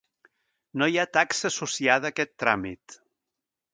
No hi ha taxa associada a aquest tràmit.